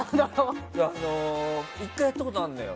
１回やったことあるのよ。